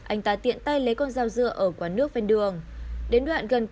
anh ta tiện tay lấy con dao dưa